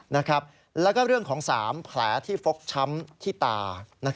นะครับและก็เรื่องของหลายแผลที่ฟกช้ำที่ตา